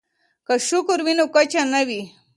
که شکر وي نو کچه نه وي.